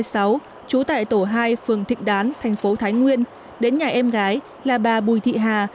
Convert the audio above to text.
trú tại tổ hai phường thịnh đán thành phố thái nguyên đến nhà em gái là bà bùi thị hà